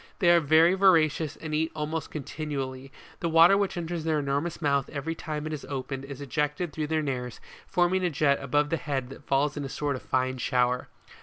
They are very voracious and eat almost continually ; the water which enters their enormous mouth every time it is opened, is ejected through the nares, forming a jet above the head that falls in a sort of fine shower.